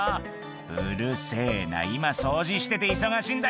「うるせぇな今掃除してて忙しいんだよ」